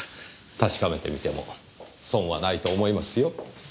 確かめてみても損はないと思いますよ。